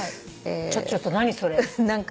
ちょっと何それ？